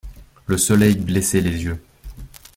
Le soleil blessait les yeux.